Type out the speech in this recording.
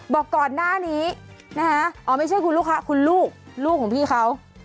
บอกก่อนหน้านี้นะฮะอ๋อไม่ใช่คุณลูกค้าคุณลูกลูกของพี่เขา